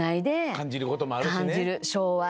感じる事もあるしね。